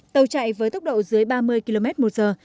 tàu chạy với tốc độ dưới ba mươi km một giờ